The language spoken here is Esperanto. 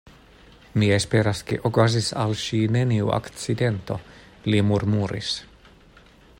Mi esperas, ke okazis al ŝi neniu akcidento, li murmuris.